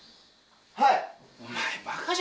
はい！